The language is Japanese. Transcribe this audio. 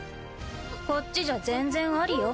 こっちじゃ全然ありよ。